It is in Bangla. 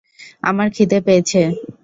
আমাদের খিদে পেয়েছে।